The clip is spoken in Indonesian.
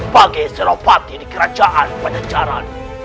bagi senopati di kerajaan pancacaran